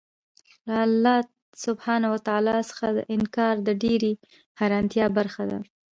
له الله سبحانه وتعالی څخه انكار د ډېري حيرانتيا خبره ده